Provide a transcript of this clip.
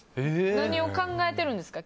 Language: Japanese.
何を考えてるんですか？